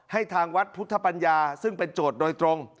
ทางวัดพุทธปัญญาซึ่งเป็นโจทย์โดยตรง